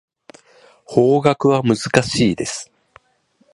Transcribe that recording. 法学は難しいです。